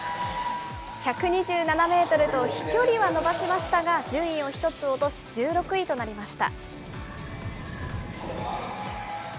１２７メートルと飛距離は伸ばしましたが、順位を１つ落とし、１６位となりました。